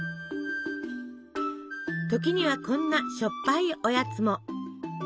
時にはこんなしょっぱいおやつも。